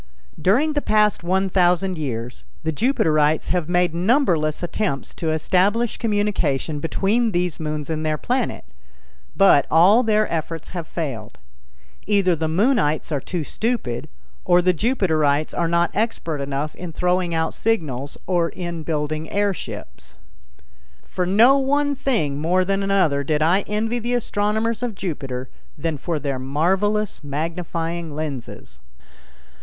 During the past one thousand years, the Jupiterites have made numberless attempts to establish communication between these moons and their planet, but all their efforts have failed. Either the Moonites are too stupid, or the Jupiterites are not expert enough in throwing out signals or in building air ships. For no one thing more than another did I envy the astronomers of Jupiter than for their marvelous magnifying lenses.